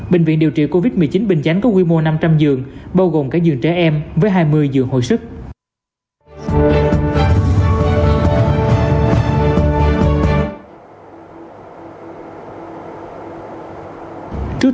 bệnh viện điều trị covid một mươi chín bình chánh có quy mô năm trăm linh dường bao gồm các dường trẻ em với hai mươi dường hội sức